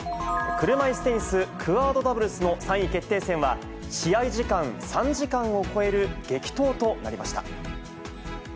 車いすテニスクアードダブルスの３位決定戦は、試合時間３時間を超える激闘となりました。